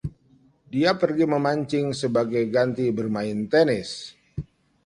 Dia pergi memancing sebagai ganti bermain tenis.